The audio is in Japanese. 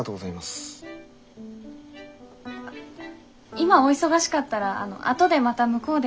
今お忙しかったら後でまた向こうで。